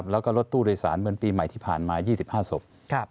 แล้วก็รถตู้โดยสารเหมือนปีใหม่ที่ผ่านมา๒๕ศพ